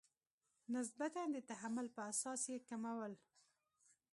نسبتا د تحمل په اساس یې کمول.